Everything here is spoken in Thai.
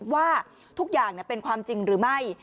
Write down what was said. ว่าทุกอย่างเป็นความจริงหรือไม่